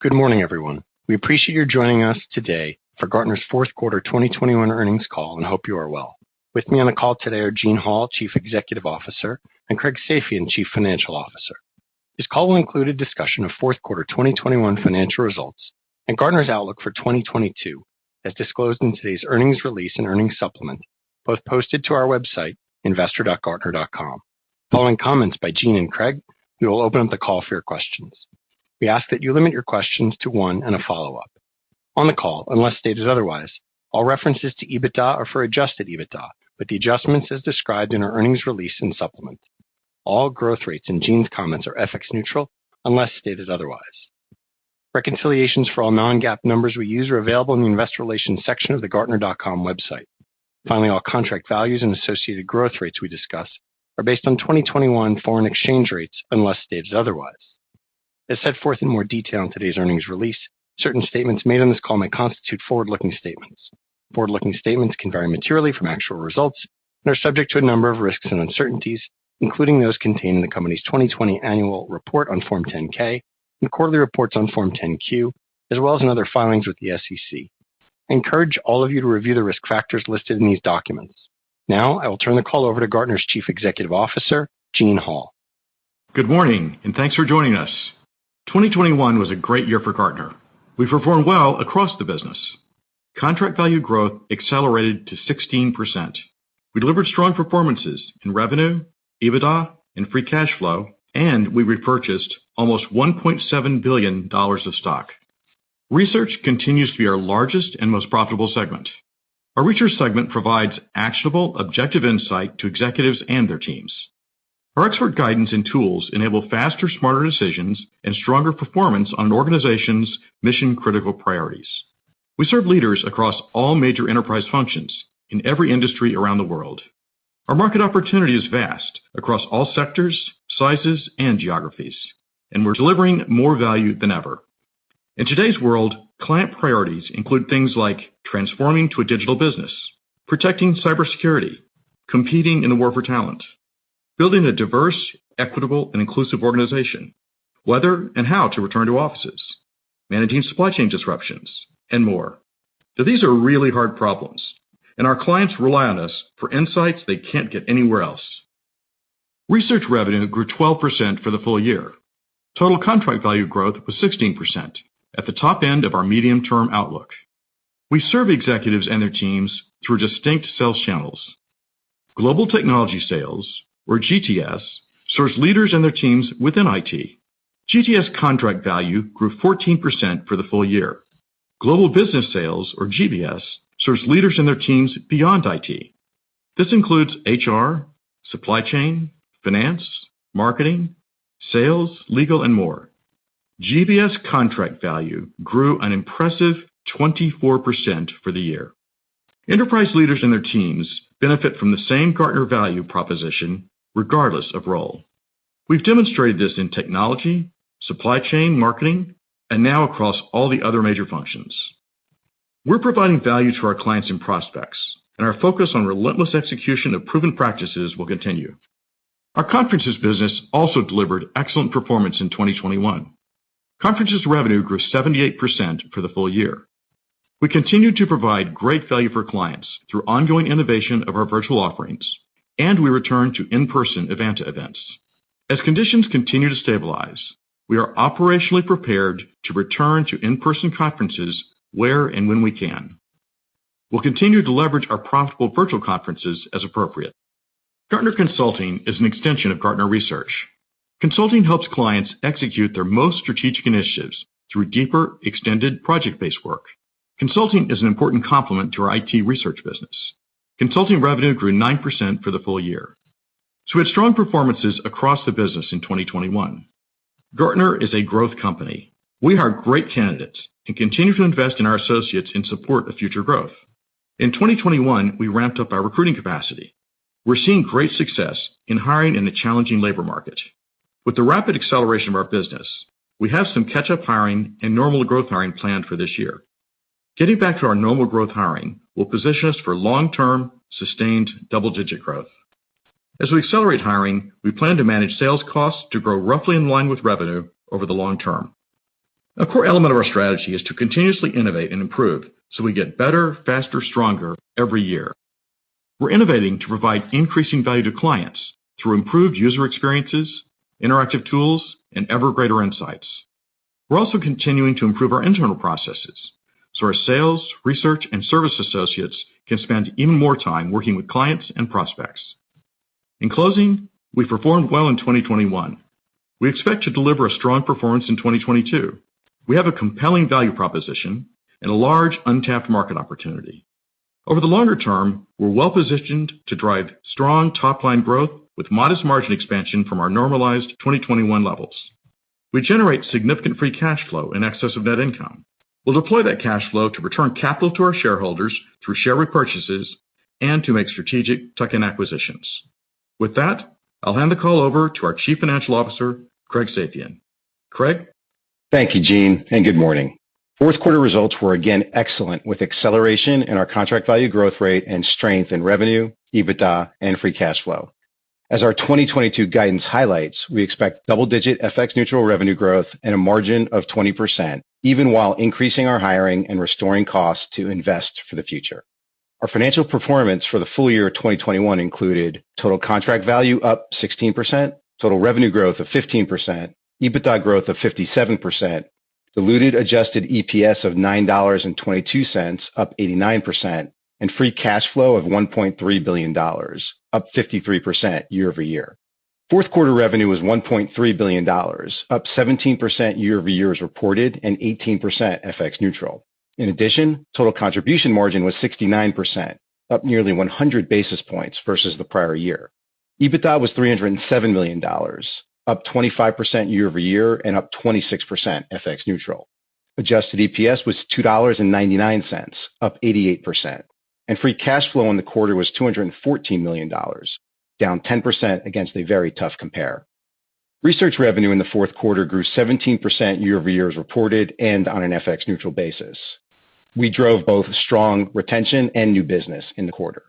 Good morning, everyone. We appreciate you joining us today for Gartner's fourth quarter 2021 earnings call and hope you are well. With me on the call today are Eugene Hall, Chief Executive Officer, and Craig Safian, Chief Financial Officer. This call will include a discussion of fourth quarter 2021 financial results and Gartner's outlook for 2022, as disclosed in today's earnings release and earnings supplement, both posted to our website, investor.gartner.com. Following comments by Eugene and Craig, we will open up the call for your questions. We ask that you limit your questions to one and a follow-up. On the call, unless stated otherwise, all references to EBITDA are for adjusted EBITDA, with the adjustments as described in our earnings release and supplement. All growth rates in Eugene's comments are FX-neutral unless stated otherwise. Reconciliations for all non-GAAP numbers we use are available in the investor relations section of the gartner.com website. Finally, all contract values and associated growth rates we discuss are based on 2021 foreign exchange rates, unless stated otherwise. As set forth in more detail in today's earnings release, certain statements made on this call may constitute forward-looking statements. Forward-looking statements can vary materially from actual results and are subject to a number of risks and uncertainties, including those contained in the company's 2020 annual report on Form 10-K and quarterly reports on Form 10-Q, as well as in other filings with the SEC. I encourage all of you to review the risk factors listed in these documents. Now, I will turn the call over to Gartner's Chief Executive Officer, Eugene Hall. Good morning, and thanks for joining us. 2021 was a great year for Gartner. We performed well across the business. Contract value growth accelerated to 16%. We delivered strong performances in revenue, EBITDA, and free cash flow, and we repurchased almost $1.7 billion of stock. Research continues to be our largest and most profitable segment. Our research segment provides actionable, objective insight to executives and their teams. Our expert guidance and tools enable faster, smarter decisions and stronger performance on an organization's mission-critical priorities. We serve leaders across all major enterprise functions in every industry around the world. Our market opportunity is vast across all sectors, sizes, and geographies, and we're delivering more value than ever. In today's world, client priorities include things like transforming to a digital business, protecting cybersecurity, competing in the war for talent, building a diverse, equitable, and inclusive organization, whether and how to return to offices, managing supply chain disruptions, and more. These are really hard problems, and our clients rely on us for insights they can't get anywhere else. Research revenue grew 12% for the full year. Total contract value growth was 16%, at the top end of our medium-term outlook. We serve executives and their teams through distinct sales channels. Global technology sales, or GTS, serves leaders and their teams within IT. GTS contract value grew 14% for the full year. Global business sales, or GBS, serves leaders and their teams beyond IT. This includes HR, supply chain, finance, marketing, sales, legal, and more. GBS contract value grew an impressive 24% for the year. Enterprise leaders and their teams benefit from the same Gartner value proposition regardless of role. We've demonstrated this in technology, supply chain, marketing, and now across all the other major functions. We're providing value to our clients and prospects, and our focus on relentless execution of proven practices will continue. Our conferences business also delivered excellent performance in 2021. Conferences revenue grew 78% for the full year. We continued to provide great value for clients through ongoing innovation of our virtual offerings, and we returned to in-person events. As conditions continue to stabilize, we are operationally prepared to return to in-person conferences where and when we can. We'll continue to leverage our profitable virtual conferences as appropriate. Gartner Consulting is an extension of Gartner Research. Consulting helps clients execute their most strategic initiatives through deeper, extended project-based work. Consulting is an important complement to our IT research business. Consulting revenue grew 9% for the full year. We had strong performances across the business in 2021. Gartner is a growth company. We hire great candidates and continue to invest in our associates in support of future growth. In 2021, we ramped up our recruiting capacity. We're seeing great success in hiring in the challenging labor market. With the rapid acceleration of our business, we have some catch-up hiring and normal growth hiring planned for this year. Getting back to our normal growth hiring will position us for long-term, sustained double-digit growth. As we accelerate hiring, we plan to manage sales costs to grow roughly in line with revenue over the long term. A core element of our strategy is to continuously innovate and improve so we get better, faster, stronger every year. We're innovating to provide increasing value to clients through improved user experiences, interactive tools, and ever greater insights. We're also continuing to improve our internal processes so our sales, research, and service associates can spend even more time working with clients and prospects. In closing, we performed well in 2021. We expect to deliver a strong performance in 2022. We have a compelling value proposition and a large untapped market opportunity. Over the longer term, we're well-positioned to drive strong top-line growth with modest margin expansion from our normalized 2021 levels. We generate significant free cash flow in excess of net income. We'll deploy that cash flow to return capital to our shareholders through share repurchases and to make strategic tuck-in acquisitions. With that, I'll hand the call over to our Chief Financial Officer, Craig Safian. Craig? Thank you, Eugene, and good morning. Fourth quarter results were again excellent, with acceleration in our contract value growth rate and strength in revenue, EBITDA, and free cash flow. As our 2022 guidance highlights, we expect double-digit FX-neutral revenue growth and a margin of 20%, even while increasing our hiring and restoring costs to invest for the future. Our financial performance for the full year of 2021 included total contract value up 16%, total revenue growth of 15%, EBITDA growth of 57%, diluted adjusted EPS of $9.22, up 89%, and free cash flow of $1.3 billion, up 53% year-over-year. Fourth quarter revenue was $1.3 billion, up 17% year-over-year as reported, and 18% FX-neutral. In addition, total contribution margin was 69%, up nearly 100 basis points versus the prior year. EBITDA was $307 million, up 25% year-over-year and up 26% FX-neutral. Adjusted EPS was $2.99, up 88%, and free cash flow in the quarter was $214 million, down 10% against a very tough compare. Research revenue in the fourth quarter grew 17% year-over-year as reported and on an FX-neutral basis. We drove both strong retention and new business in the quarter.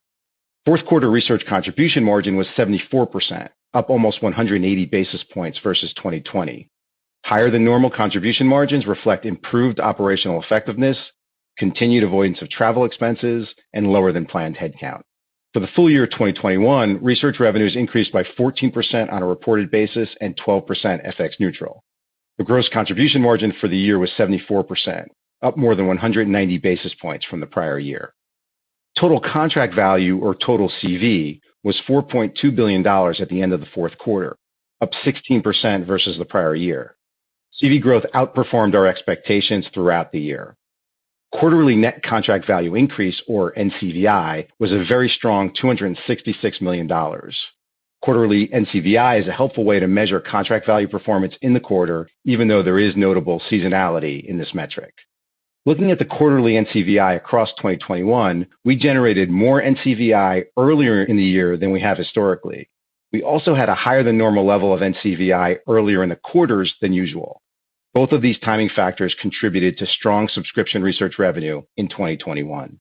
Fourth quarter Research contribution margin was 74%, up almost 180 basis points versus 2020. Higher than normal contribution margins reflect improved operational effectiveness, continued avoidance of travel expenses, and lower than planned head count. For the full year of 2021, Research revenues increased by 14% on a reported basis and 12% FX-neutral. The gross contribution margin for the year was 74%, up more than 190 basis points from the prior year. Total contract value or total CV was $4.2 billion at the end of the fourth quarter, up 16% versus the prior year. CV growth outperformed our expectations throughout the year. Quarterly net contract value increase or NCVI was a very strong $266 million. Quarterly NCVI is a helpful way to measure contract value performance in the quarter, even though there is notable seasonality in this metric. Looking at the quarterly NCVI across 2021, we generated more NCVI earlier in the year than we have historically. We also had a higher than normal level of NCVI earlier in the quarters than usual. Both of these timing factors contributed to strong subscription research revenue in 2021.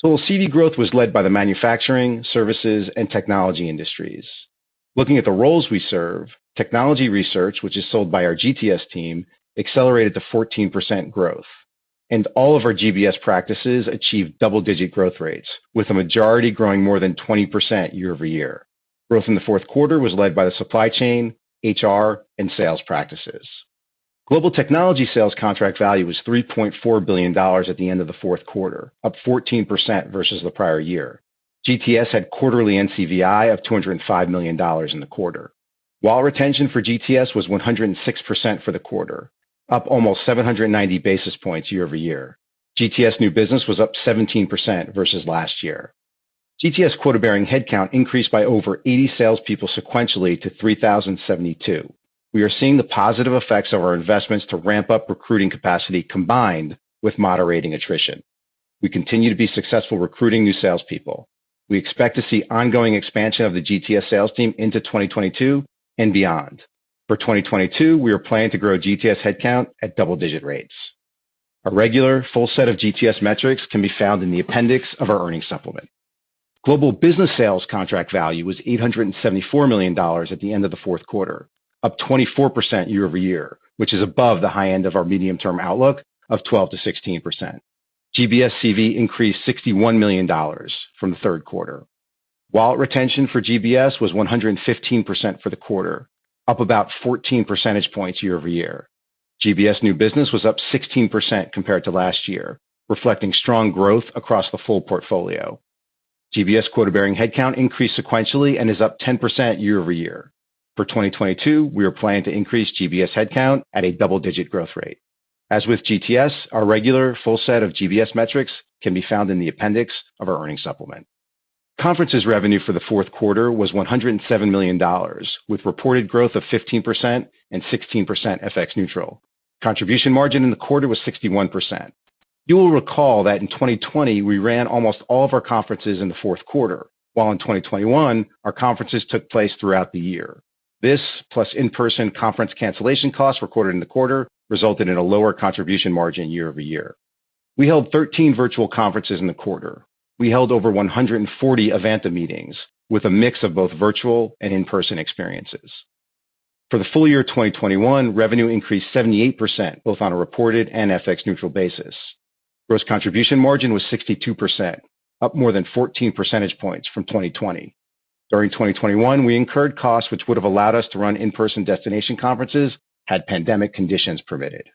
Total CV growth was led by the manufacturing, services, and technology industries. Looking at the roles we serve, technology research, which is sold by our GTS team, accelerated to 14% growth, and all of our GBS practices achieved double-digit growth rates, with the majority growing more than 20% year-over-year. Growth in the fourth quarter was led by the supply chain, HR, and sales practices. Global technology sales contract value was $3.4 billion at the end of the fourth quarter, up 14% versus the prior year. GTS had quarterly NCVI of $205 million in the quarter. While retention for GTS was 106% for the quarter, up almost 790 basis points year-over-year. GTS new business was up 17% versus last year. GTS quota-bearing headcount increased by over 80 salespeople sequentially to 3,072. We are seeing the positive effects of our investments to ramp up recruiting capacity combined with moderating attrition. We continue to be successful recruiting new salespeople. We expect to see ongoing expansion of the GTS sales team into 2022 and beyond. For 2022, we are planning to grow GTS headcount at double-digit rates. Our regular full set of GTS metrics can be found in the appendix of our earnings supplement. Global business sales contract value was $874 million at the end of the fourth quarter, up 24% year-over-year, which is above the high end of our medium-term outlook of 12%-16%. GBS CV increased $61 million from the third quarter. While retention for GBS was 115% for the quarter, up about 14 percentage points year-over-year. GBS new business was up 16% compared to last year, reflecting strong growth across the full portfolio. GBS quota-bearing headcount increased sequentially and is up 10% year-over-year. For 2022, we are planning to increase GBS headcount at a double-digit growth rate. As with GTS, our regular full set of GBS metrics can be found in the appendix of our earnings supplement. Conferences revenue for the fourth quarter was $107 million, with reported growth of 15% and 16% FX-neutral. Contribution margin in the quarter was 61%. You will recall that in 2020, we ran almost all of our conferences in the fourth quarter, while in 2021, our conferences took place throughout the year. This, plus in-person conference cancellation costs recorded in the quarter, resulted in a lower contribution margin year-over-year. We held 13 virtual conferences in the quarter. We held over 140 Evanta meetings with a mix of both virtual and in-person experiences. For the full year of 2021, revenue increased 78%, both on a reported and FX-neutral basis. Gross contribution margin was 62%, up more than 14 percentage points from 2020. During 2021, we incurred costs which would have allowed us to run in-person destination conferences had pandemic conditions permitted.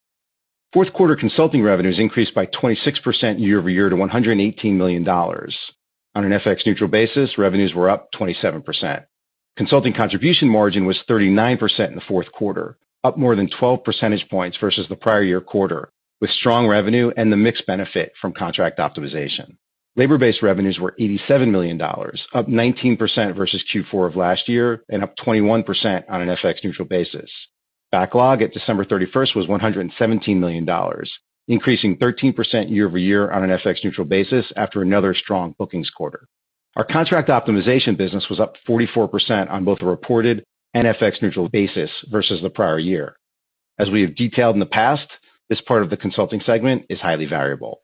Fourth quarter consulting revenues increased by 26% year-over-year to $118 million. On an FX-neutral basis, revenues were up 27%. Consulting contribution margin was 39% in the fourth quarter, up more than 12 percentage points versus the prior year quarter, with strong revenue and the mix benefit from contract optimization. Labor-based revenues were $87 million, up 19% versus Q4 of last year and up 21% on an FX-neutral basis. Backlog at December 31 was $117 million, increasing 13% year-over-year on an FX-neutral basis after another strong bookings quarter. Our contract optimization business was up 44% on both a reported and FX-neutral basis versus the prior year. As we have detailed in the past, this part of the consulting segment is highly variable.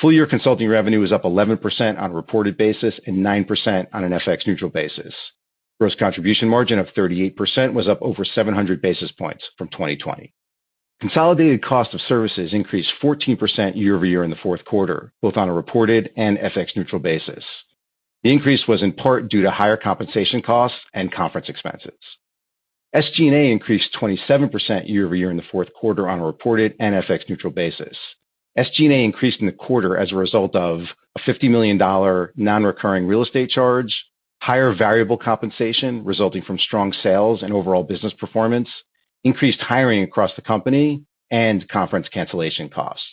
Full-year consulting revenue was up 11% on a reported basis and 9% on an FX-neutral basis. Gross contribution margin of 38% was up over 700 basis points from 2020. Consolidated cost of services increased 14% year-over-year in the fourth quarter, both on a reported and FX-neutral basis. The increase was in part due to higher compensation costs and conference expenses. SG&A increased 27% year-over-year in the fourth quarter on a reported and FX-neutral basis. SG&A increased in the quarter as a result of a $50 million non-recurring real estate charge, higher variable compensation resulting from strong sales and overall business performance, increased hiring across the company, and conference cancellation costs.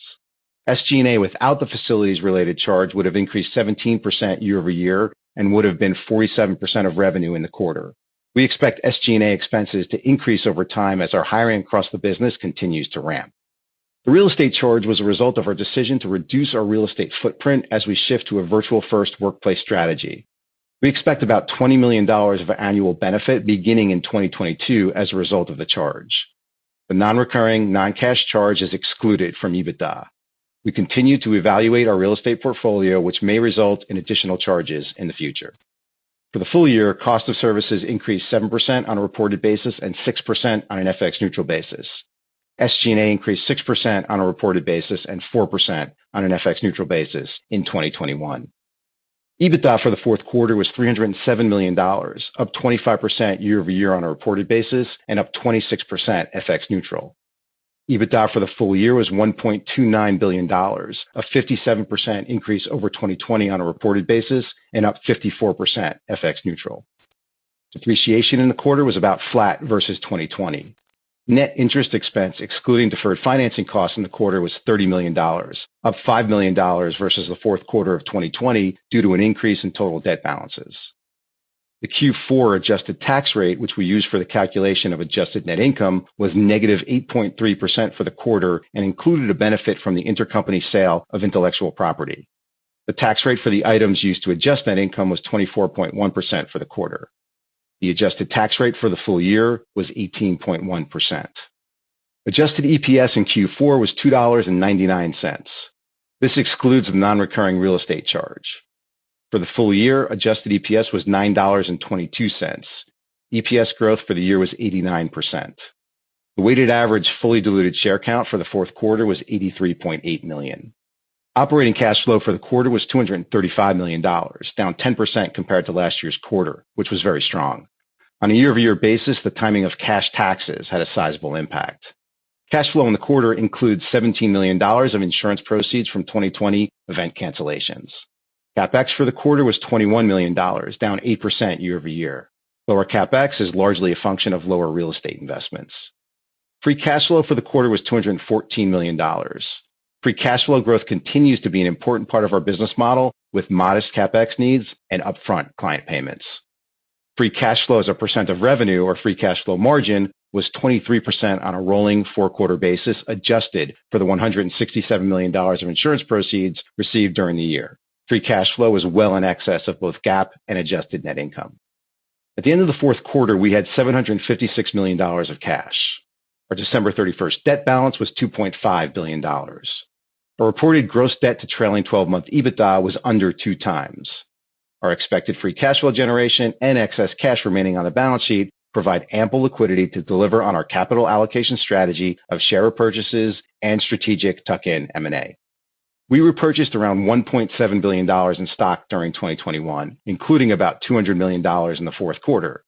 SG&A without the facilities-related charge would have increased 17% year-over-year and would have been 47% of revenue in the quarter. We expect SG&A expenses to increase over time as our hiring across the business continues to ramp. The real estate charge was a result of our decision to reduce our real estate footprint as we shift to a virtual-first workplace strategy. We expect about $20 million of annual benefit beginning in 2022 as a result of the charge. The non-recurring, non-cash charge is excluded from EBITDA. We continue to evaluate our real estate portfolio, which may result in additional charges in the future. For the full year, cost of services increased 7% on a reported basis and 6% on an FX-neutral basis. SG&A increased 6% on a reported basis and 4% on an FX-neutral basis in 2021. EBITDA for the fourth quarter was $307 million, up 25% year-over-year on a reported basis and up 26% FX-neutral. EBITDA for the full year was $1.29 billion, a 57% increase over 2020 on a reported basis and up 54% FX-neutral. Depreciation in the quarter was about flat versus 2020. Net interest expense, excluding deferred financing costs in the quarter, was $30 million, up $5 million versus the fourth quarter of 2020 due to an increase in total debt balances. The Q4 adjusted tax rate, which we use for the calculation of adjusted net income, was -8.3% for the quarter and included a benefit from the intercompany sale of intellectual property. The tax rate for the items used to adjust net income was 24.1% for the quarter. The adjusted tax rate for the full year was 18.1%. Adjusted EPS in Q4 was $2.99. This excludes the non-recurring real estate charge. For the full year, adjusted EPS was $9.22. EPS growth for the year was 89%. The weighted average fully diluted share count for the fourth quarter was 83.8 million. Operating cash flow for the quarter was $235 million, down 10% compared to last year's quarter, which was very strong. On a year-over-year basis, the timing of cash taxes had a sizable impact. Cash flow in the quarter includes $17 million of insurance proceeds from 2020 event cancellations. CapEx for the quarter was $21 million, down 8% year over year. Lower CapEx is largely a function of lower real estate investments. Free cash flow for the quarter was $214 million. Free cash flow growth continues to be an important part of our business model, with modest CapEx needs and upfront client payments. Free cash flow as a percent of revenue or free cash flow margin was 23% on a rolling four-quarter basis, adjusted for the $167 million of insurance proceeds received during the year. Free cash flow was well in excess of both GAAP and adjusted net income. At the end of the fourth quarter, we had $756 million of cash. Our December 31 debt balance was $2.5 billion. Our reported gross debt to trailing twelve-month EBITDA was under 2x. Our expected free cash flow generation and excess cash remaining on the balance sheet provide ample liquidity to deliver on our capital allocation strategy of share purchases and strategic tuck-in M&A. We repurchased around $1.7 billion in stock during 2021, including about $200 million in the fourth quarter.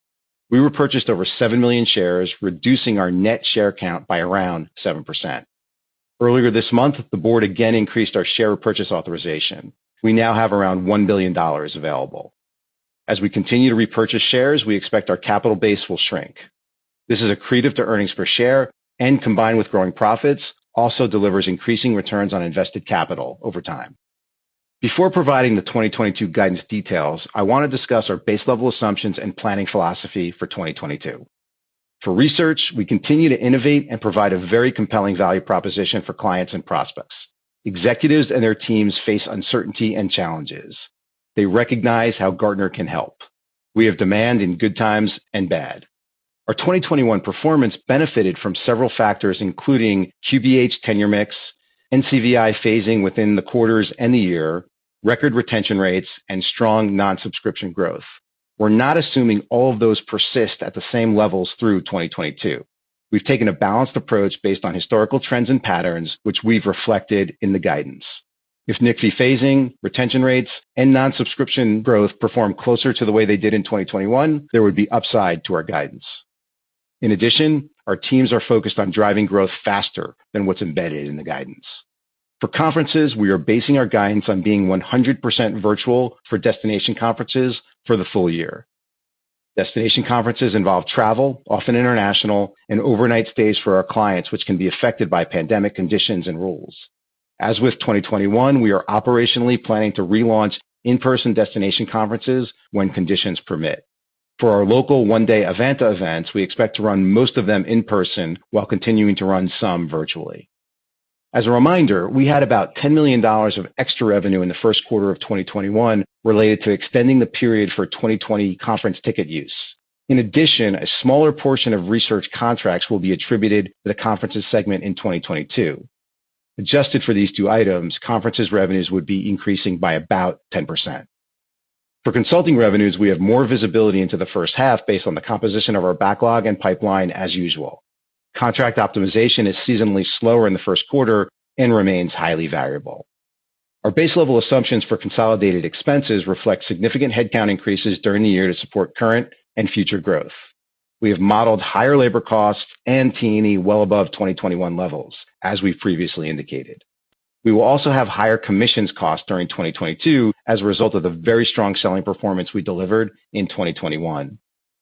We repurchased over 7 million shares, reducing our net share count by around 7%. Earlier this month, the board again increased our share purchase authorization. We now have around $1 billion available. As we continue to repurchase shares, we expect our capital base will shrink. This is accretive to earnings per share, and combined with growing profits, also delivers increasing returns on invested capital over time. Before providing the 2022 guidance details, I want to discuss our base level assumptions and planning philosophy for 2022. For research, we continue to innovate and provide a very compelling value proposition for clients and prospects. Executives and their teams face uncertainty and challenges. They recognize how Gartner can help. We have demand in good times and bad. Our 2021 performance benefited from several factors, including QBH tenure mix, NCVI phasing within the quarters and the year, record retention rates, and strong non-subscription growth. We're not assuming all of those persist at the same levels through 2022. We've taken a balanced approach based on historical trends and patterns, which we've reflected in the guidance. If NCVI phasing, retention rates, and non-subscription growth perform closer to the way they did in 2021, there would be upside to our guidance. In addition, our teams are focused on driving growth faster than what's embedded in the guidance. For conferences, we are basing our guidance on being 100% virtual for destination conferences for the full year. Destination conferences involve travel, often international, and overnight stays for our clients, which can be affected by pandemic conditions and rules. As with 2021, we are operationally planning to relaunch in-person destination conferences when conditions permit. For our local one-day Evanta events, we expect to run most of them in person while continuing to run some virtually. As a reminder, we had about $10 million of extra revenue in the first quarter of 2021 related to extending the period for 2020 conference ticket use. In addition, a smaller portion of research contracts will be attributed to the conferences segment in 2022. Adjusted for these two items, conferences revenues would be increasing by about 10%. For consulting revenues, we have more visibility into the first half based on the composition of our backlog and pipeline as usual. Contract optimization is seasonally slower in the first quarter and remains highly variable. Our base level assumptions for consolidated expenses reflect significant headcount increases during the year to support current and future growth. We have modeled higher labor costs and T&E well above 2021 levels, as we previously indicated. We will also have higher commissions costs during 2022 as a result of the very strong selling performance we delivered in 2021.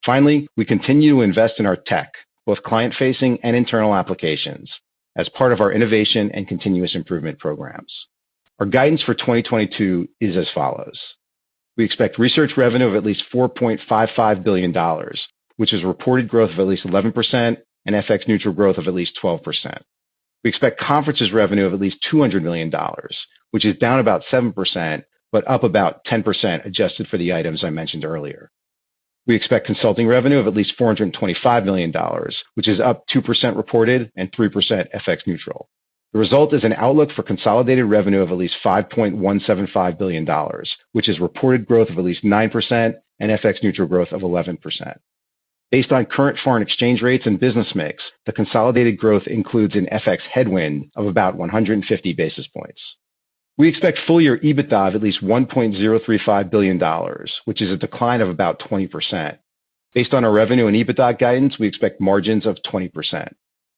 Finally, we continue to invest in our tech, both client-facing and internal applications as part of our innovation and continuous improvement programs. Our guidance for 2022 is as follows. We expect research revenue of at least $4.55 billion, which is reported growth of at least 11% and FX-neutral growth of at least 12%. We expect conferences revenue of at least $200 million, which is down about 7%, but up about 10% adjusted for the items I mentioned earlier. We expect consulting revenue of at least $425 million, which is up 2% reported and 3% FX-neutral. The result is an outlook for consolidated revenue of at least $5.175 billion, which is reported growth of at least 9% and FX-neutral growth of 11%. Based on current foreign exchange rates and business mix, the consolidated growth includes an FX headwind of about 150 basis points. We expect full year EBITDA of at least $1.035 billion, which is a decline of about 20%. Based on our revenue and EBITDA guidance, we expect margins of 20%.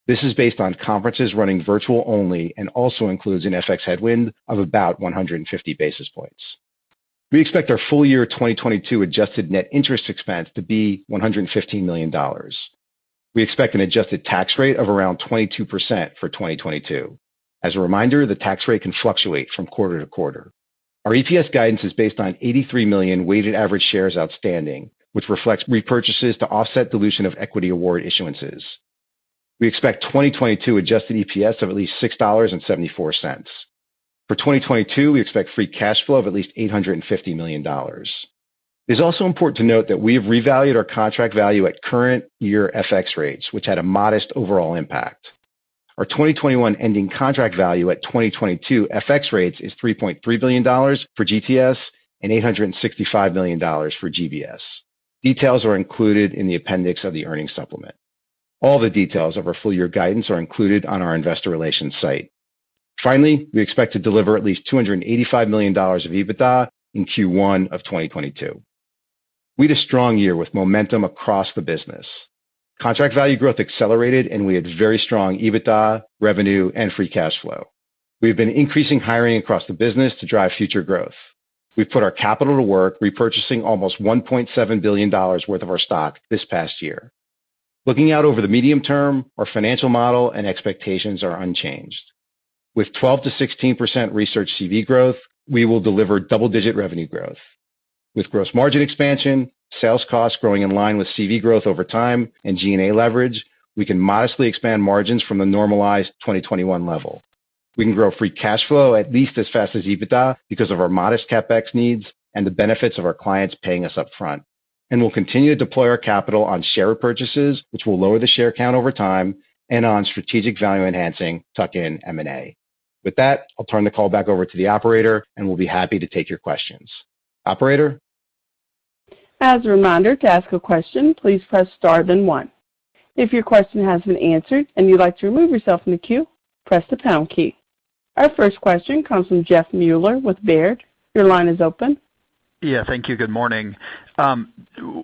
This is based on conferences running virtual only and also includes an FX headwind of about 150 basis points. We expect our full year 2022 adjusted net interest expense to be $115 million. We expect an adjusted tax rate of around 22% for 2022. As a reminder, the tax rate can fluctuate from quarter to quarter. Our EPS guidance is based on 83 million weighted average shares outstanding, which reflects repurchases to offset dilution of equity award issuances. We expect 2022 adjusted EPS of at least $6.74. For 2022, we expect free cash flow of at least $850 million. It's also important to note that we have revalued our contract value at current year FX rates, which had a modest overall impact. Our 2021 ending contract value at 2022 FX rates is $3.3 billion for GTS and $865 million for GBS. Details are included in the appendix of the earnings supplement. All the details of our full year guidance are included on our investor relations site. Finally, we expect to deliver at least $285 million of EBITDA in Q1 of 2022. We had a strong year with momentum across the business. Contract value growth accelerated, and we had very strong EBITDA, revenue, and free cash flow. We have been increasing hiring across the business to drive future growth. We've put our capital to work, repurchasing almost $1.7 billion worth of our stock this past year. Looking out over the medium term, our financial model and expectations are unchanged. With 12%-16% research CV growth, we will deliver double-digit revenue growth. With gross margin expansion, sales costs growing in line with CV growth over time, and G&A leverage, we can modestly expand margins from the normalized 2021 level. We can grow free cash flow at least as fast as EBITDA because of our modest CapEx needs and the benefits of our clients paying us up front. We'll continue to deploy our capital on share repurchases, which will lower the share count over time, and on strategic value enhancing tuck-in M&A. With that, I'll turn the call back over to the operator, and we'll be happy to take your questions. Operator? As a reminder, to ask a question, please press star then one. If your question has been answered and you'd like to remove yourself from the queue, press the pound key. Our first question comes from Jeffrey Meuler with Baird. Your line is open. Yeah. Thank you. Good morning.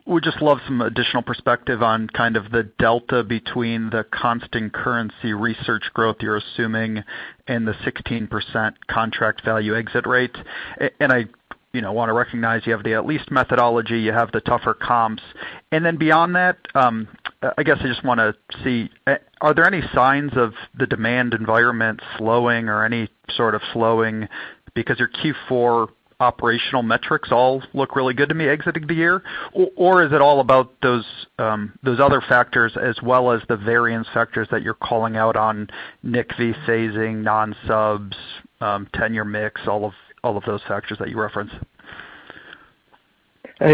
Would just love some additional perspective on the delta between the constant currency research growth you're assuming and the 16% contract value exit rate. I wanna recognize you have the at least methodology, you have the tougher comps. Then beyond that, I just wanna see, are there any signs of the demand environment slowing or any sort of slowing because your Q4 operational metrics all look really good to me exiting the year? Or is it all about those other factors as well as the various factors that you're calling out on NCVI phasing, non-subs, tenure mix, all of those factors that you referenced?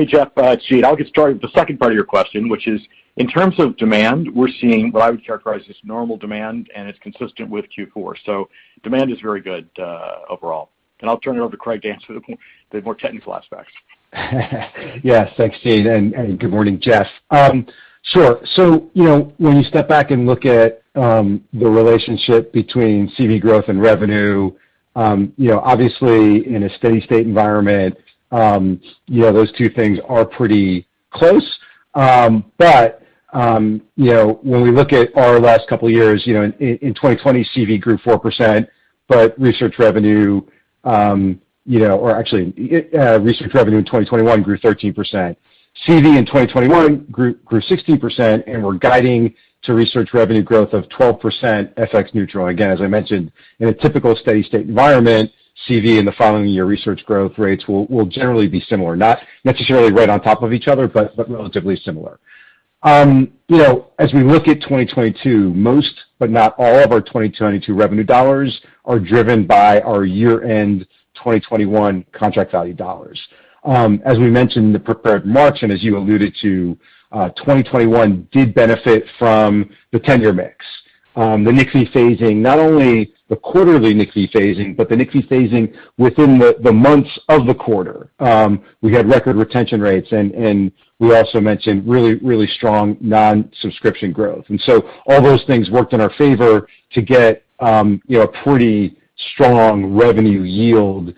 Jeff. It's Eugene. I'll get started with the second part of your question, which is in terms of demand. We're seeing what I would characterize as normal demand, and it's consistent with Q4. Demand is very good overall. I'll turn it over to Craig to answer the more technical aspects. Yes. Thanks, Eugene, and good morning, Jeff. Sure. When you step back and look at the relationship between CV growth and revenue in a steady state environment, those two things are pretty close. When we look at our last couple years in 2020 CV grew 4%, but research revenue or actually research revenue in 2021 grew 13%. CV in 2021 grew 16%, and we're guiding to research revenue growth of 12% FX-neutral. Again, as I mentioned, in a typical steady state environment, CV in the following year research growth rates will generally be similar. Not necessarily right on top of each other, but relatively similar. As we look at 2022, most but not all of our 2022 revenue dollars are driven by our year-end 2021 contract value dollars. As we mentioned in the prepared remarks, and as you alluded to, 2021 did benefit from the tenure mix. The NCVI phasing, not only the quarterly NCVI phasing, but the NCVI phasing within the months of the quarter. We had record retention rates, and we also mentioned really strong non-subscription growth. All those things worked in our favor to get a pretty strong revenue yield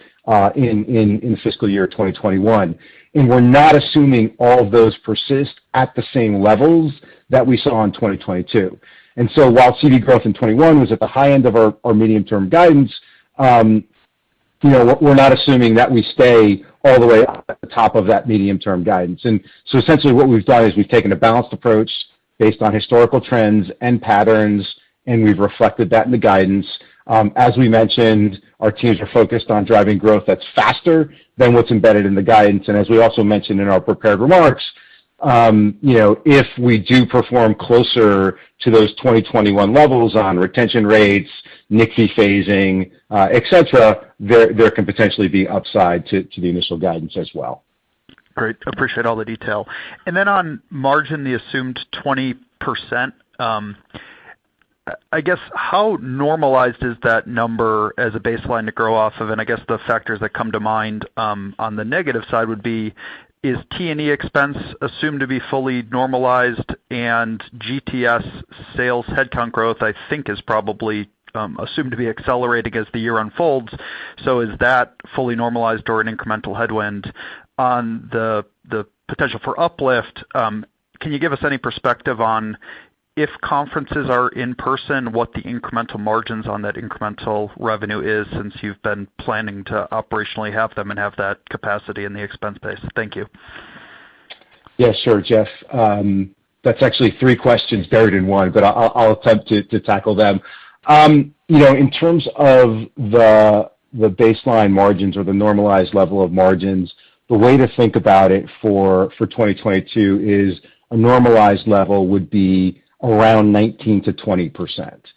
in fiscal year 2021. We're not assuming all of those persist at the same levels that we saw in 2022. While CV growth in 2021 was at the high end of our medium-term guidance we're not assuming that we stay all the way at the top of that medium-term guidance. Essentially what we've done is we've taken a balanced approach based on historical trends and patterns, and we've reflected that in the guidance. As we mentioned, our teams are focused on driving growth that's faster than what's embedded in the guidance. As we also mentioned in our prepared remarks if we do perform closer to those 2021 levels on retention rates, NCVI phasing, et cetera, there can potentially be upside to the initial guidance as well. Great. Appreciate all the detail. Then on margin, the assumed 20%, how normalized is that number as a baseline to grow off of? The factors that come to mind, on the negative side would be, is T&E expense assumed to be fully normalized and GTS sales headcount growth, I think is probably assumed to be accelerating as the year unfolds. Is that fully normalized or an incremental headwind? On the potential for uplift, can you give us any perspective on if conferences are in person, what the incremental margins on that incremental revenue is since you've been planning to operationally have them and have that capacity in the expense base? Thank you. Yeah, sure, Jeff. That's actually three questions buried in one, but I'll attempt to tackle them. In terms of the baseline margins or the normalized level of margins, the way to think about it for 2022 is a normalized level would be around 19%-20%.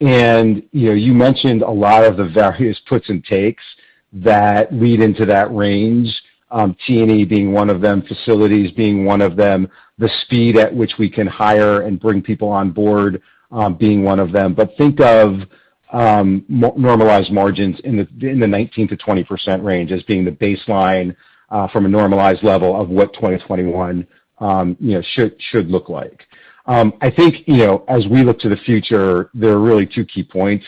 You mentioned a lot of the various puts and takes that lead into that range, T&E being one of them, facilities being one of them, the speed at which we can hire and bring people on board, being one of them. Think of normalized margins in the 19%-20% range as being the baseline from a normalized level of what 2021 should look like. As we look to the future, there are really two key points,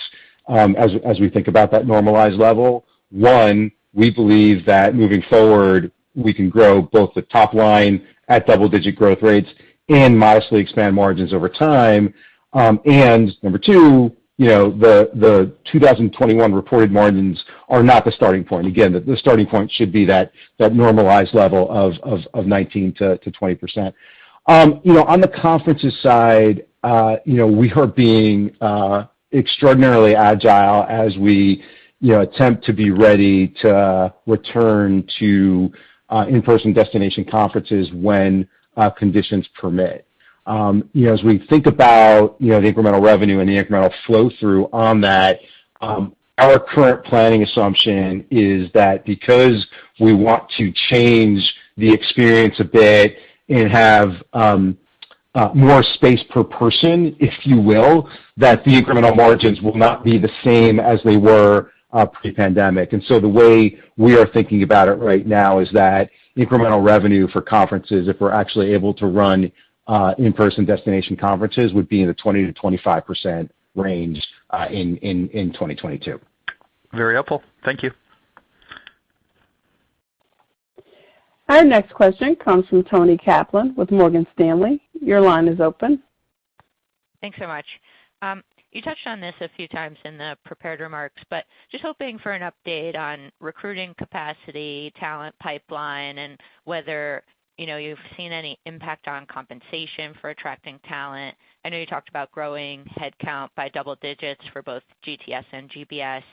as we think about that normalized level. One, we believe that moving forward, we can grow both the top line at double-digit growth rates and modestly expand margins over time. Number two, the 2021 reported margins are not the starting point. Again, the starting point should be that normalized level of 19%-20%. On the conferences side, we are being extraordinarily agile as we attempt to be ready to return to in-person destination conferences when conditions permit. As we think about the incremental revenue and the incremental flow through on that, our current planning assumption is that because we want to change the experience a bit and have more space per person, if you will, that the incremental margins will not be the same as they were pre-pandemic. The way we are thinking about it right now is that incremental revenue for conferences, if we're actually able to run in-person destination conferences, would be in the 20-25% range in 2022. Very helpful. Thank you. Our next question comes from Toni Kaplan with Morgan Stanley. Your line is open. Thanks so much. You touched on this a few times in the prepared remarks, but just hoping for an update on recruiting capacity, talent pipeline, and whether you've seen any impact on compensation for attracting talent. I know you talked about growing headcount by double digits for both GTS and GBS.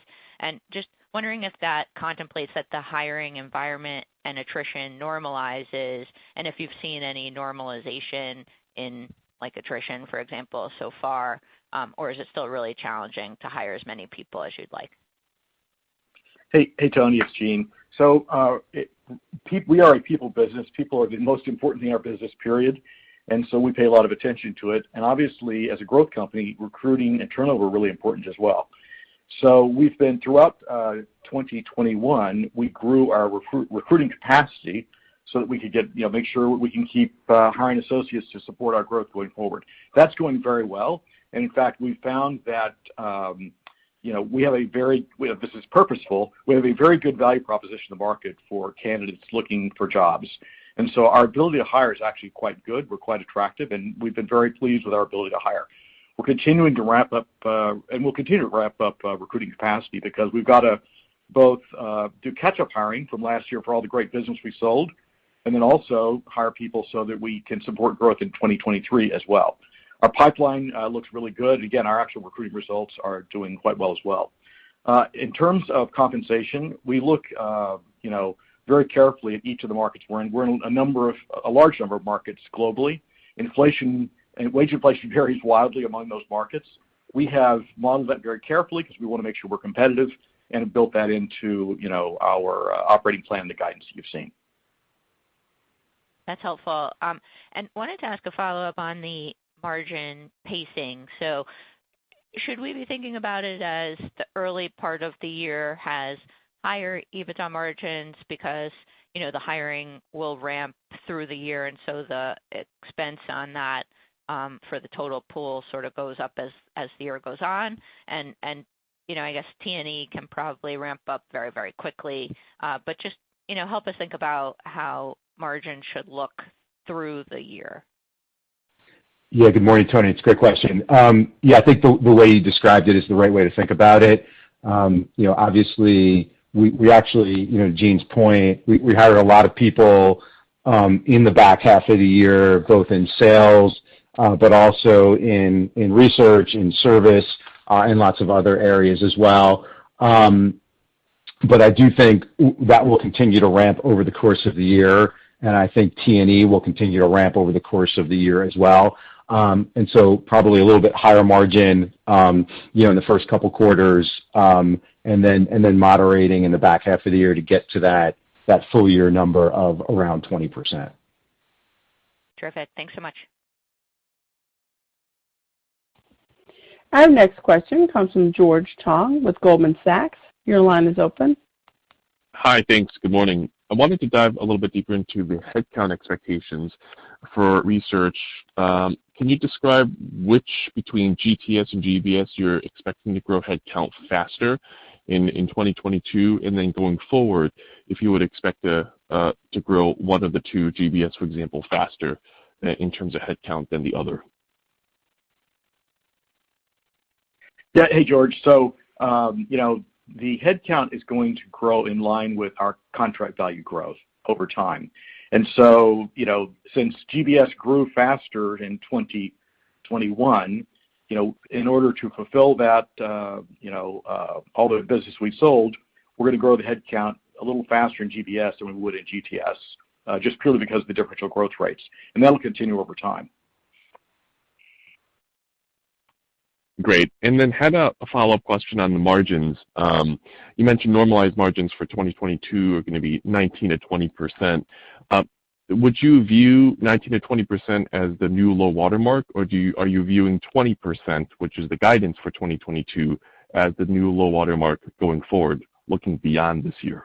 Just wondering if that contemplates that the hiring environment and attrition normalizes, and if you've seen any normalization in like attrition, for example, so far, or is it still really challenging to hire as many people as you'd like? Toni, it's Eugene. We are a people business. People are the most important thing in our business, period. We pay a lot of attention to it. Obviously, as a growth company, recruiting and turnover are really important as well. We've been throughout 2021, we grew our recruiting capacity so that we could get, make sure we can keep hiring associates to support our growth going forward. That's going very well. In fact, we found that we have a very purposeful business. We have a very good value proposition to market for candidates looking for jobs. Our ability to hire is actually quite good. We're quite attractive, and we've been very pleased with our ability to hire. We're continuing to ramp up, and we'll continue to ramp up, recruiting capacity because we've got to both do catch-up hiring from last year for all the great business we sold and then also hire people so that we can support growth in 2023 as well. Our pipeline looks really good. Again, our actual recruiting results are doing quite well as well. In terms of compensation, we look very carefully at each of the markets we're in. We're in a large number of markets globally. Inflation and wage inflation varies wildly among those markets. We have modeled that very carefully because we wanna make sure we're competitive and have built that into our operating plan, the guidance that you've seen. That's helpful. Wanted to ask a follow-up on the margin pacing. Should we be thinking about it as the early part of the year has higher EBITDA margins because, the hiring will ramp through the year, and so the expense on that, for the total pool goes up as the year goes on? T&E can probably ramp up very, very quickly. Just, help us think about how margins should look through the year. Yeah. Good morning, Toni. It's a great question. Yeah, I think the way you described it is the right way to think about it. We actually Eugene's point, we hired a lot of people in the back half of the year, both in sales, but also in research and service, and lots of other areas as well. But I do think that will continue to ramp over the course of the year, and I think T&E will continue to ramp over the course of the year as well. And so probably a little bit higher margin, you know, in the first couple quarters, and then moderating in the back half of the year to get to that full year number of around 20%. Terrific. Thanks so much. Our next question comes from George Tong with Goldman Sachs. Your line is open. Hi. Thanks. Good morning. I wanted to dive a little bit deeper into the headcount expectations for research. Can you describe which between GTS and GBS you're expecting to grow headcount faster in 2022? Going forward, if you would expect to grow one of the two GBS, for example, faster, in terms of headcount than the other? Yeah. George. The headcount is going to grow in line with our contract value growth over time. Since GBS grew faster in 2021, in order to fulfill that all the business we've sold, we're gonna grow the headcount a little faster in GBS than we would in GTS, just purely because of the differential growth rates, and that'll continue over time. Great. I had a follow-up question on the margins. You mentioned normalized margins for 2022 are gonna be 19%-20%. Would you view 19%-20% as the new low watermark, or are you viewing 20%, which is the guidance for 2022, as the new low watermark going forward, looking beyond this year?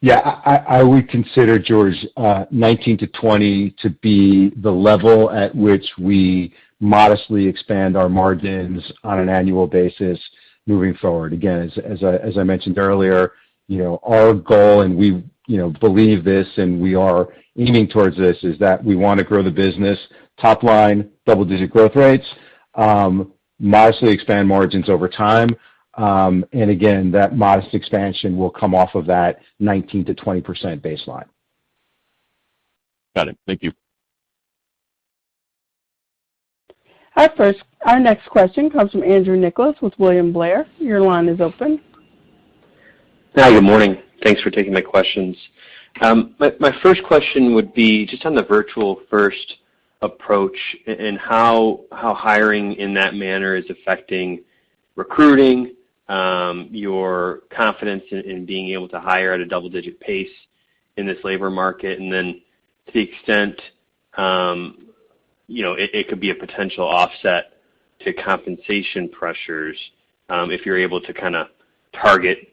Yeah. I would consider, George, 19%-20% to be the level at which we modestly expand our margins on an annual basis moving forward. Again, as I mentioned earlier our goal and we believe this and we are aiming towards this, is that we wanna grow the business top line double-digit growth rates, modestly expand margins over time. Again, that modest expansion will come off of that 19%-20% baseline. Got it. Thank you. Our next question comes from Andrew Nicholas with William Blair. Your line is open. Yeah, good morning. Thanks for taking my questions. My first question would be just on the virtual first approach and how hiring in that manner is affecting recruiting, your confidence in being able to hire at a double-digit pace in this labor market, and then to the extent, it could be a potential offset to compensation pressures, if you're able to kinda target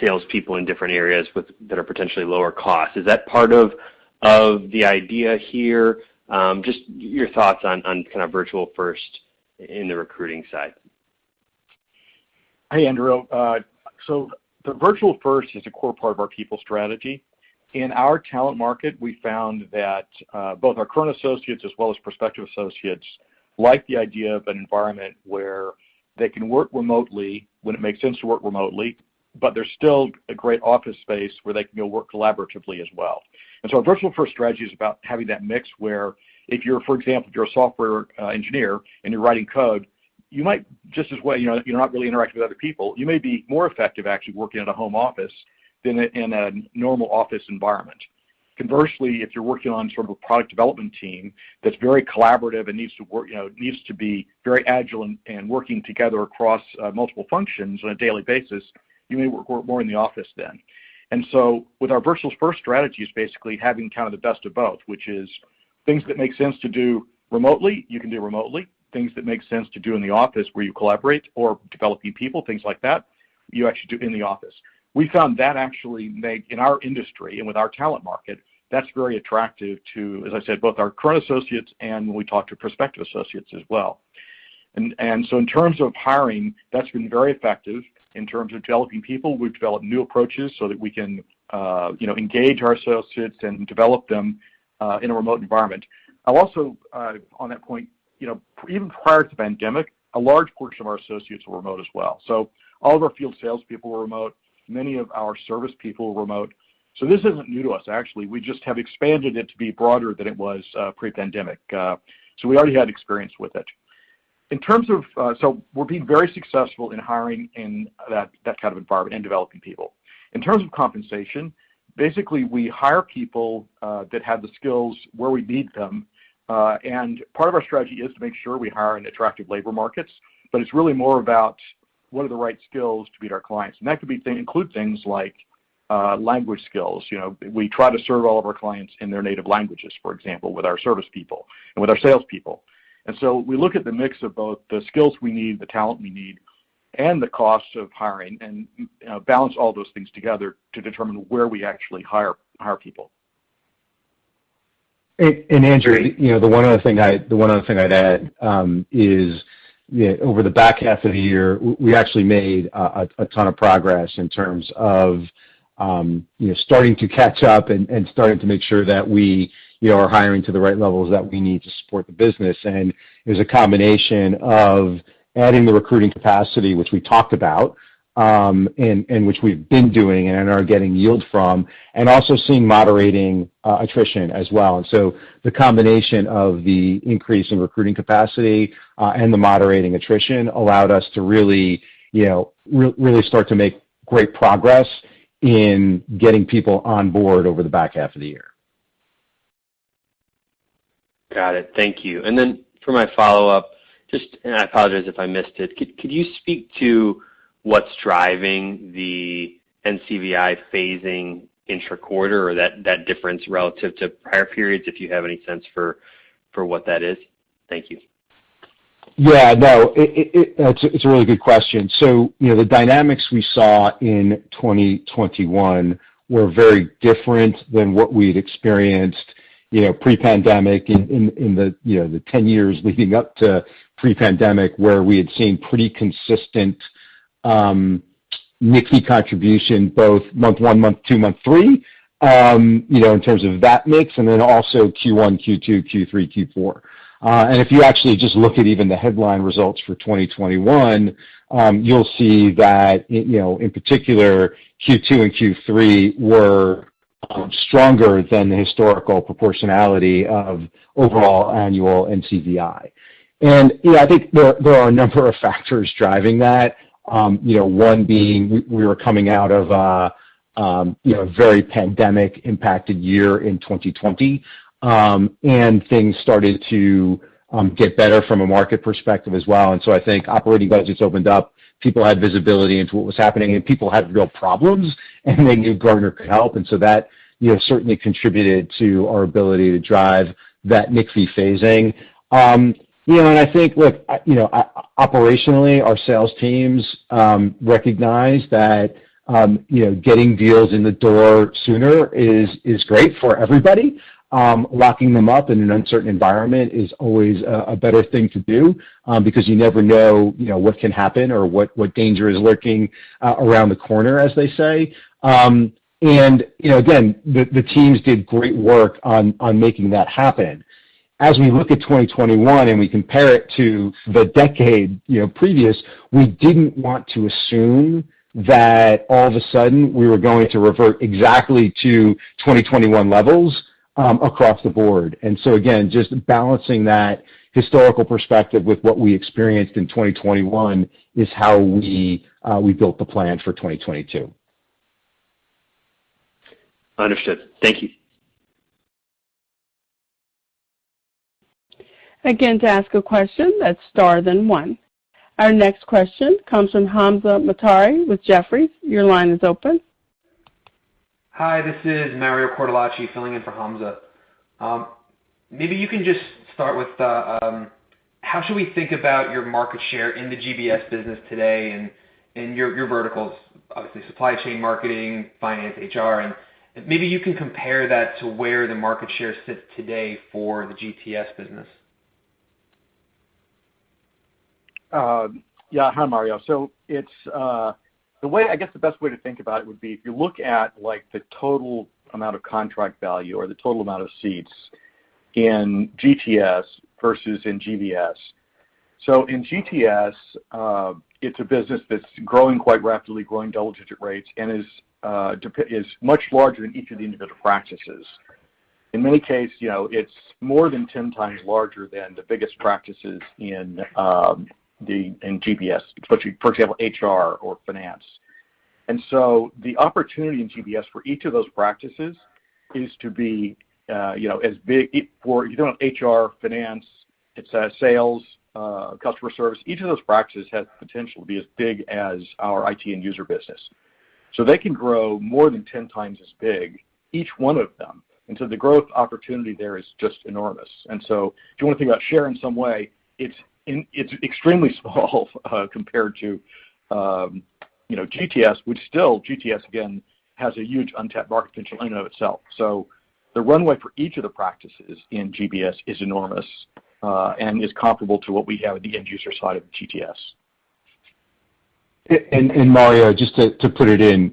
salespeople in different areas with that are potentially lower cost. Is that part of the idea here? Just your thoughts on virtual first in the recruiting side. Andrew. The virtual first is a core part of our people strategy. In our talent market, we found that both our current associates as well as prospective associates like the idea of an environment where they can work remotely when it makes sense to work remotely, but there's still a great office space where they can go work collaboratively as well. Our virtual first strategy is about having that mix, where, for example, if you're a software engineer and you're writing code, you might just as well, if you're not really interacting with other people, you may be more effective actually working at a home office than in a normal office environment. Conversely, if you're working on a product development team that's very collaborative and needs to work needs to be very agile and working together across multiple functions on a daily basis, you may work more in the office than. With our virtual first strategy is basically having the best of both, which is things that make sense to do remotely, you can do remotely. Things that make sense to do in the office, where you collaborate or developing people, things like that, you actually do in the office. We found that actually makes in our industry and with our talent market, that's very attractive to, as I said, both our current associates and when we talk to prospective associates as well. In terms of hiring, that's been very effective. In terms of developing people, we've developed new approaches so that we can engage our associates and develop them in a remote environment. I'll also, on that point, even prior to pandemic, a large portion of our associates were remote as well. All of our field salespeople were remote, many of our service people were remote. This isn't new to us, actually. We just have expanded it to be broader than it was pre-pandemic. We already had experience with it. We're being very successful in hiring in that environment and developing people. In terms of compensation, basically, we hire people that have the skills where we need them. Part of our strategy is to make sure we hire in attractive labor markets, but it's really more about what are the right skills to meet our clients. That could be things like language skills. We try to serve all of our clients in their native languages, for example, with our service people and with our sales people. We look at the mix of both the skills we need, the talent we need, and the cost of hiring and balance all those things together to determine where we actually hire people. Andrew, the one other thing I'd add is over the back half of the year, we actually made a ton of progress in terms of starting to catch up and starting to make sure that we are hiring to the right levels that we need to support the business. It was a combination of adding the recruiting capacity, which we talked about, and which we've been doing and are getting yield from, and also seeing moderating attrition as well. The combination of the increase in recruiting capacity and the moderating attrition allowed us to really start to make great progress in getting people on board over the back half of the year. Got it. Thank you. For my follow-up, I apologize if I missed it. Could you speak to what's driving the NCVI phasing intra-quarter or that difference relative to prior periods, if you have any sense for what that is? Thank you. That's a really good question. The dynamics we saw in 2021 were very different than what we'd experienced pre-pandemic in the 10 years leading up to pre-pandemic, where we had seen pretty consistent NCVI contribution, both month one, month two, month three, in terms of that mix, and then also Q1, Q2, Q3, Q4. If you actually just look at even the headline results for 2021, you'll see that in particular, Q2 and Q3 were stronger than the historical proportionality of overall annual NCVI. I think there are a number of factors driving that. One being we were coming out of a very pandemic-impacted year in 2020, and things started to get better from a market perspective as well. I think operating budgets opened up, people had visibility into what was happening, and people had real problems, and they knew Gartner could help. That certainly contributed to our ability to drive that NCVI phasing. Operationally, our sales teams recognize that getting deals in the door sooner is great for everybody. Locking them up in an uncertain environment is always a better thing to do, because you never know what can happen or what danger is lurking around the corner, as they say. The teams did great work on making that happen. As we look at 2021 and we compare it to the decade, previous, we didn't want to assume that all of a sudden we were going to revert exactly to 2021 levels, across the board. Again, just balancing that historical perspective with what we experienced in 2021 is how we built the plan for 2022. Understood. Thank you. Our next question comes from Hamza Mazari with Jefferies. Your line is open. Hi, this is Mario Cortellacci filling in for Hamza. Maybe you can just start with the how should we think about your market share in the GBS business today and in your verticals, obviously supply chain marketing, finance, HR? Maybe you can compare that to where the market share sits today for the GTS business. Yeah. Hi, Mario. It's the best way to think about it would be if you look at, like, the total amount of contract value or the total amount of seats in GTS versus in GBS. In GTS, it's a business that's growing quite rapidly, growing double-digit rates, and is much larger than each of the individual practices. In many cases, it's more than 10 times larger than the biggest practices in GBS, especially, for example, HR or finance. The opportunity in GBS for each of those practices is to be as big. HR, finance, IT, sales, customer service, each of those practices has potential to be as big as our IT end user business. They can grow more than 10 times as big, each one of them. The growth opportunity there is just enormous. If you want to think about share in some way, it's extremely small compared to GTS, which still has a huge untapped market potential in and of itself. The runway for each of the practices in GBS is enormous and is comparable to what we have at the end user side of GTS. Mario, just to put it in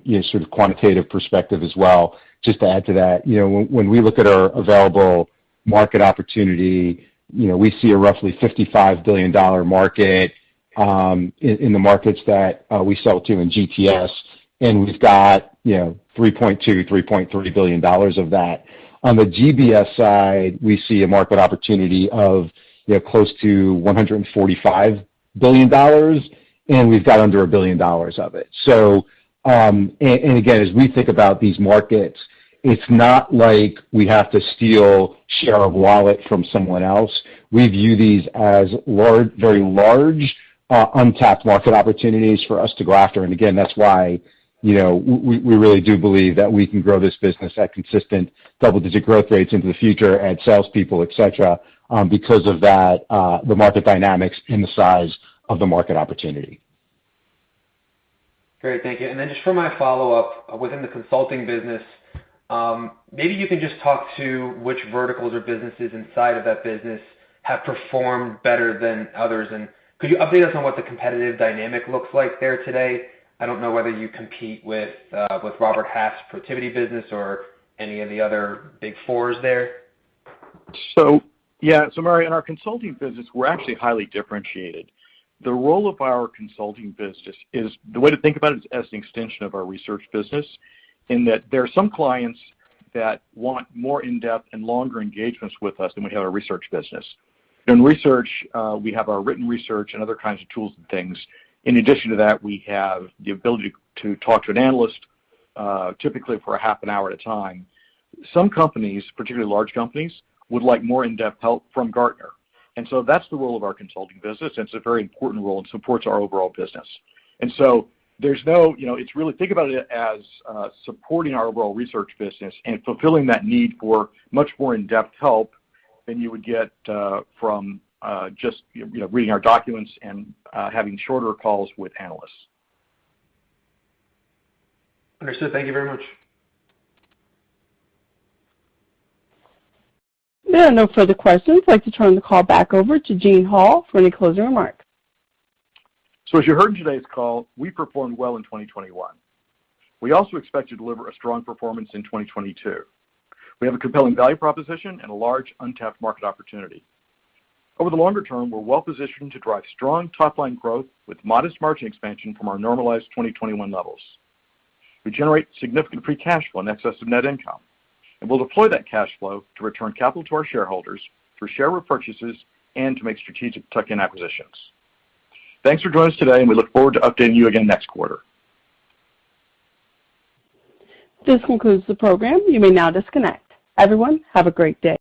quantitative perspective as well, just to add to that. When we look at our available market opportunity, we see a roughly $55 billion market in the markets that we sell to in GTS, and we've got $3.2-$3.3 billion of that. On the GBS side, we see a market opportunity of close to $145 billion, and we've got under $1 billion of it. And again, as we think about these markets, it's not like we have to steal share of wallet from someone else. We view these as large, very large, untapped market opportunities for us to go after. Again, that's why we really do believe that we can grow this business at consistent double-digit growth rates into the future, add salespeople, et cetera, because of that, the market dynamics and the size of the market opportunity. Great. Thank you. Just for my follow-up, within the consulting business, maybe you can just talk to which verticals or businesses inside of that business have performed better than others. Could you update us on what the competitive dynamic looks like there today? I don't know whether you compete with Robert Half's Protiviti business or any of the other Big Four there. Mario, in our consulting business, we're actually highly differentiated. The role of our consulting business, the way to think about it, is as an extension of our research business in that there are some clients that want more in-depth and longer engagements with us than we have in our research business. In research, we have our written research and other kinds of tools and things. In addition to that, we have the ability to talk to an analyst, typically for a half an hour at a time. Some companies, particularly large companies, would like more in-depth help from Gartner, that's the role of our consulting business. It's a very important role and supports our overall business. It's really think about it as supporting our overall research business and fulfilling that need for much more in-depth help than you would get from just reading our documents and having shorter calls with analysts. Understood. Thank you very much. There are no further questions. I'd like to turn the call back over to Eugene Hall for any closing remarks. As you heard in today's call, we performed well in 2021. We also expect to deliver a strong performance in 2022. We have a compelling value proposition and a large untapped market opportunity. Over the longer term, we're well-positioned to drive strong top-line growth with modest margin expansion from our normalized 2021 levels. We generate significant free cash flow in excess of net income, and we'll deploy that cash flow to return capital to our shareholders through share repurchases and to make strategic tuck-in acquisitions. Thanks for joining us today, and we look forward to updating you again next quarter. This concludes the program. You may now disconnect. Everyone, have a great day.